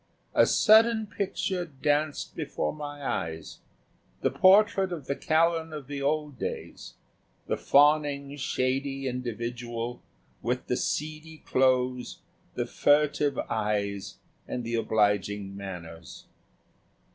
A sudden picture danced before my eyes the portrait of the Callan of the old days the fawning, shady individual, with the seedy clothes, the furtive eyes and the obliging manners.